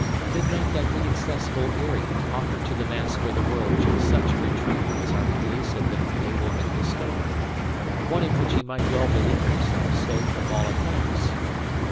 Did not that inaccessible Eyrie offer to the Master of the World just such a retreat as our police had been unable to discover, one in which he might well believe himself safe from all attacks?